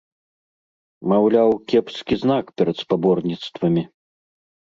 Маўляў, кепскі знак перад спаборніцтвамі.